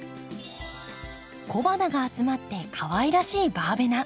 小花が集まってかわいらしいバーベナ。